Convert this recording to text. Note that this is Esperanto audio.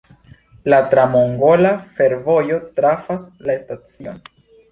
La tra-mongola fervojo trafas la stacion.